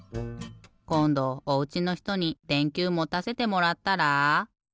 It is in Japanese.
こんどおうちのひとにでんきゅうもたせてもらったら？